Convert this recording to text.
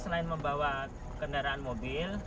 selain membawa kendaraan mobil